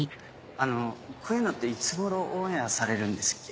あのこういうのっていつ頃オンエアされるんですっけ？